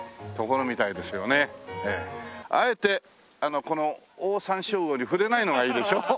あえてこのオオサンショウウオに触れないのがいいでしょ？